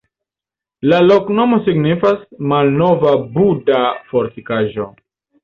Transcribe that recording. La loknomo signifas: malnova-Buda-fortikaĵo.